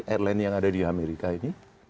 airline yang ada di amerika ini